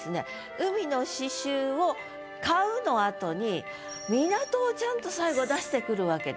「海の詩集を買う」の後に「港」をちゃんと最後出してくるわけです。